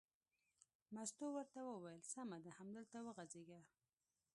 مستو ورته وویل: سمه ده همدلته وغځېږه.